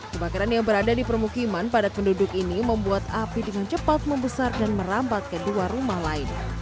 kebakaran yang berada di permukiman padat penduduk ini membuat api dengan cepat membesar dan merambat ke dua rumah lain